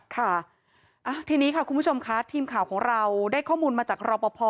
ค่ะทีนี้ค่ะคุณผู้ชมค่ะทีมข่าวของเราได้ข้อมูลมาจากรอปภ